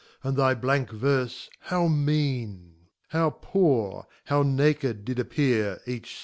and thy blank Verfe how mean^ How poor, how naked did appear each.